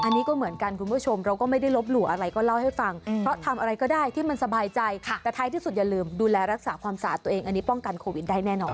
อันนี้ก็เหมือนกันคุณผู้ชมเราก็ไม่ได้ลบหลู่อะไรก็เล่าให้ฟังเพราะทำอะไรก็ได้ที่มันสบายใจแต่ท้ายที่สุดอย่าลืมดูแลรักษาความสะอาดตัวเองอันนี้ป้องกันโควิดได้แน่นอน